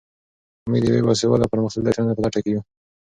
موږ د یوې باسواده او پرمختللې ټولنې په لټه کې یو.